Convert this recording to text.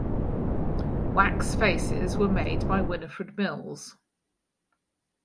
Wax faces were made by Winifred Mills.